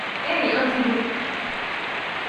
Hey Indigo